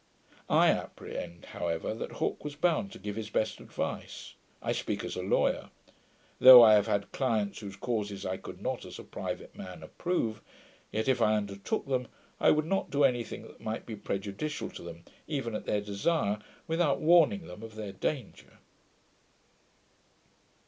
I apprehend, however, that Hooke was bound to give his best advice. I speak as a lawyer. Though I have had clients whose causes I could not, as a private man, approve; yet, if I undertook them, I would not do any thing that might be prejudicial to them, even at their desire, without warning them of their danger.